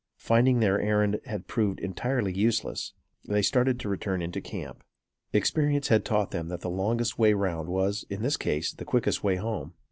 Finding their errand had proved entirely useless, they started to return into camp. Experience had taught them that the longest way round was, in this case, the quickest way home.